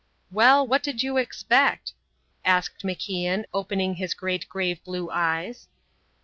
"Well, what did you expect?" asked MacIan, opening his great grave blue eyes.